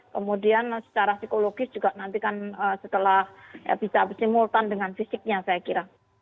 kemudian secara psikologis juga nanti kan setelah bisa bersimultan dengan fisiknya saya kira